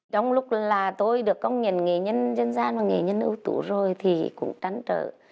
trong lúc là tôi được công nhận nghệ nhân dân gian và nghệ nhân ưu tú rồi thì cũng trắn trở